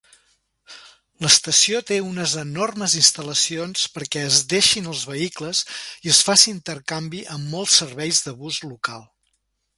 L'estació té unes enormes instal·lacions perquè es deixin els vehicles i es faci intercanvi amb molts serveis de bus local.